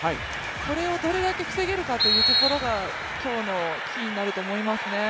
これをどれだけ防げるかというところが今日のキーになると思いますね。